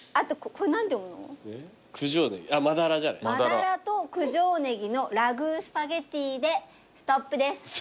真鱈と九条葱のラグースパゲッティでストップです。